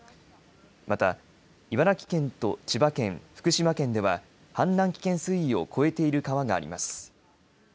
また茨城県と千葉県、福島県では氾濫危険水位を超えている川があります。